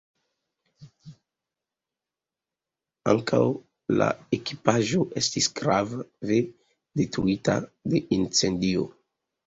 Ankaŭ la ekipaĵo estis grave detruita de incendio.